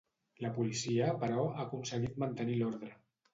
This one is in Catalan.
La policia, però, ha aconseguit mantenir l'ordre.